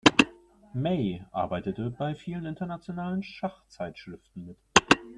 May arbeitete bei vielen internationalen Schachzeitschriften mit.